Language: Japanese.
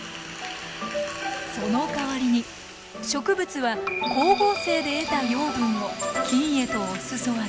そのかわりに植物は光合成で得た養分を菌へとお裾分け。